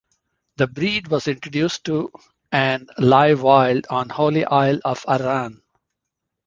The breed was introduced to and live wild on Holy Isle off Arran.